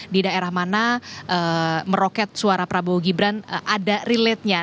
di daerah mana meroket suara prabowo gibran ada relate nya